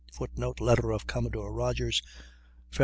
[Footnote: Letter of Commodore Rodgers, Feb.